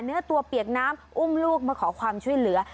เนื้อตัวเปียกน้ำอุ้มลูกมาขอความช่วยเหลือ